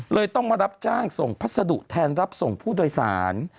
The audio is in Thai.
ต้องมารับจ้างส่งพัสดุแทนรับส่งผู้โดยสาร